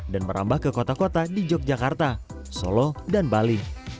dan merambah ke kota kota di yogyakarta solo dan bali